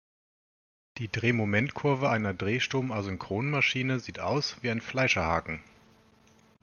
Die Drehmomentkurve einer Drehstrom-Asynchronmaschine sieht aus wie ein Fleischerhaken.